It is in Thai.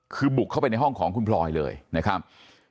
คือบุกเข้าไปในห้องของคุณพลอยเลยนะครับ